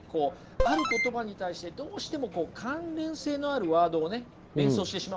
ある言葉に対してどうしても関連性のあるワードをね連想してしまうんですよ。